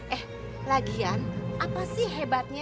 eh lagian apa sih hebatnya